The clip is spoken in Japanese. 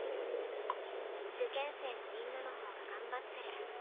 受験生のみんなの方が頑張ってる。